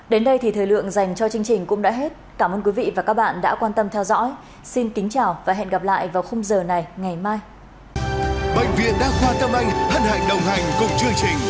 bệnh viện đa khoa tâm anh hân hạnh đồng hành cùng chương trình